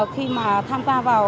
khi mà tham gia vào